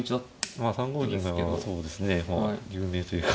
まあ３五銀がそうですね有名というか。